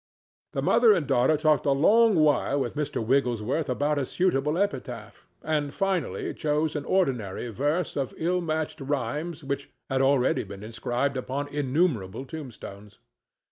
The mother and daughter talked a long while with Mr. Wigglesworth about a suitable epitaph, and finally chose an ordinary verse of ill matched rhymes which had already been inscribed upon innumerable tombstones.